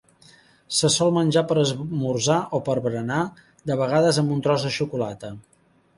Se sol menjar per esmorzar o per berenar, de vegades amb un tros de xocolata.